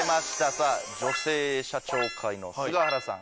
さぁ女性社長界の菅原さん